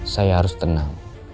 saya harus tenang